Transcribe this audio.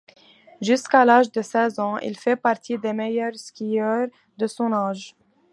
Jusqu'à l'âge de seize ans, il fait partie des meilleurs skieurs de son âge.